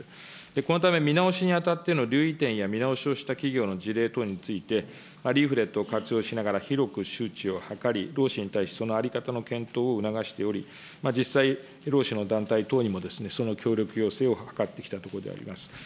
このため、見直しにあたっての留意点や見直しをした企業の事例等について、リーフレットを活用しながら、広く周知をはかり、労使に対し、そのあり方の検討を促しており、実際、労使の団体等にもその協力要請を図ってきたところであります。